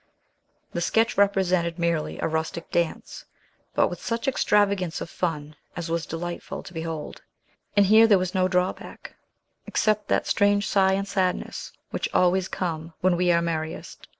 The sketch represented merely a rustic dance, but with such extravagance of fun as was delightful to behold; and here there was no drawback, except that strange sigh and sadness which always come when we are merriest.